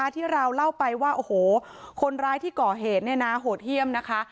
ที่เราเล่าไปว่าคนร้ายที่ก่อเหตุโหเที่ยมนะคะ